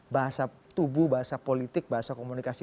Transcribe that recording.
bahasa tubuh bahasa politik bahasa komunikasi